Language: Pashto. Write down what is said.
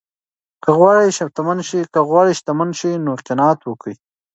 که غواړې شتمن شې نو قناعت کوه.